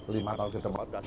lima tahun ke depan